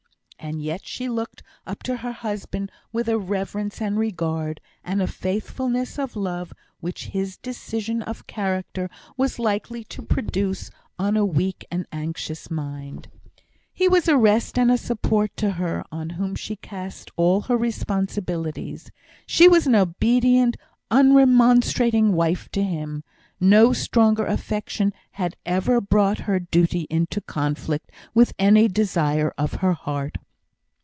And yet she looked up to her husband with a reverence and regard, and a faithfulness of love, which his decision of character was likely to produce on a weak and anxious mind. He was a rest and a support to her, on whom she cast all her responsibilities; she was an obedient, unremonstrating wife to him; no stronger affection had ever brought her duty to him into conflict with any desire of her heart.